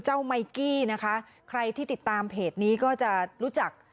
ไมกี้นะคะใครที่ติดตามเพจนี้ก็จะรู้จัก